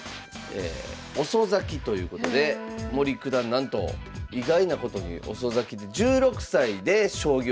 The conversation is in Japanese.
遅咲きということで森九段なんと意外なことに遅咲きで１６歳で将棋を始めた。